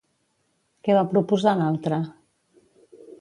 Què va proposar l'altre?